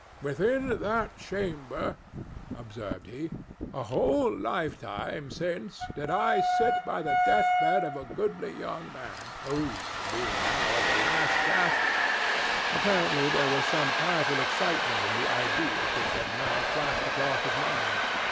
"Within that chamber," observed he, "a whole lifetime since, did I sit by the death bed of a goodly young man who, being now at the last gasp—" Apparently, there was some powerful excitement in the ideas which had now flashed across his mind.